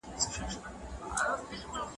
دا راپور تر هغه سند غوره دی.